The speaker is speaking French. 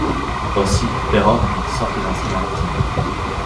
Voci, Per ogni sorte d'Istrumenti.